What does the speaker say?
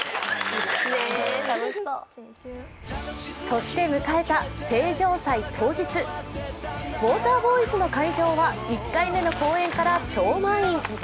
そして迎えた成城祭当日、ウォーターボーイズの会場は１回目の公演から超満員。